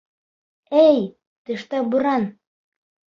Эй, тышта буран!